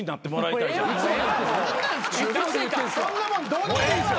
そんなもんどうだっていいんですよ。